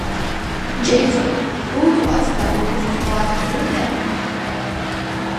Džeison, lūdzu atstāj mūs uz pāris minūtēm?